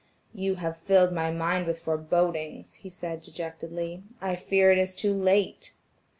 "You have filled my mind with forbodings," he said dejectedly, "I fear it is too late."